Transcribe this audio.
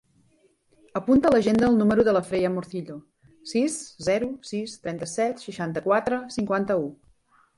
Apunta a l'agenda el número de la Freya Morcillo: sis, zero, sis, trenta-set, seixanta-quatre, cinquanta-u.